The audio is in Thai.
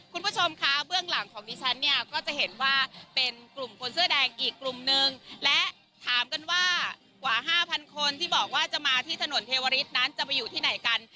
คุณผู้ชมคะเบื้องหลังของดิฉันเนี่ยก็จะเห็นว่าเป็นกลุ่มคนเสื้อแดงอีกกลุ่มนึงและถามกันว่ากว่าห้าพันคนที่บอกว่าจะมาที่ถนนเทวริสนั้นจะไปอยู่ที่ไหนกัน